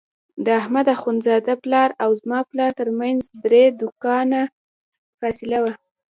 د احمد اخوندزاده پلار او زما پلار ترمنځ درې دوکانه فاصله وه.